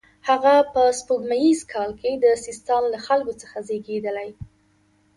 هغه په سپوږمیز کال کې د سیستان له خلکو څخه زیږېدلی.